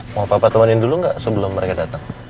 mau papa temenin dulu gak sebelum mereka dateng